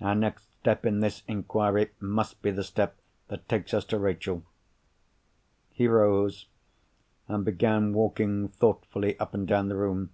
Our next step in this inquiry must be the step that takes us to Rachel." He rose, and began walking thoughtfully up and down the room.